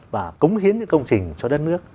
và cống hiến những công trình cho đất nước